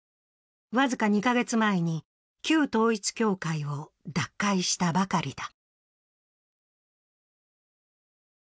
僅か２か月前に旧統一教会を脱会したばかりだ。